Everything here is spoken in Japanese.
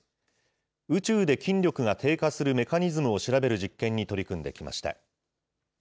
宇宙で筋力が低下するメカニズムを調べる実験に取り組んできました。